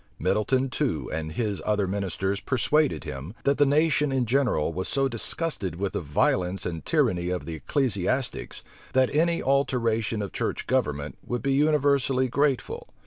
Middleton too and his other ministers persuaded him, that the nation in general was so disgusted with the violence and tyranny of the ecclesiastics, that any alteration of church government would be universally grateful.